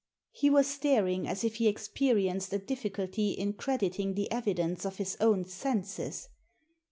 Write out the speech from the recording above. He was staring as if he experienced a difficulty in crediting the evidence of his own senses.